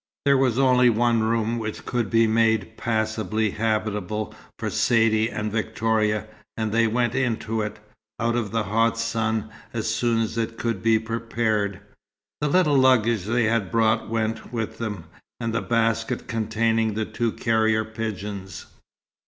There was only one room which could be made passably habitable for Saidee and Victoria, and they went into it, out of the hot sun, as soon as it could be prepared. The little luggage they had brought went with them, and the basket containing the two carrier pigeons.